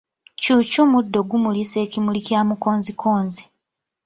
Ccuucu muddo pgumulisa ekimuli kya mukonzikonzi.